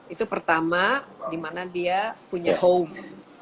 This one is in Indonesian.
itu pertama dimana dia punya home